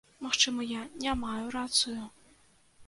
Магчыма, я не мае рацыю.